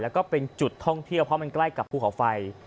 แล้วก็เป็นจุดท่องเที่ยวเพราะมันใกล้กับภูเขาไฟ